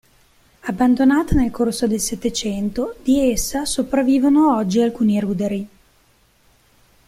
Abbandonata nel corso del Settecento, di essa sopravvivono oggi alcuni ruderi.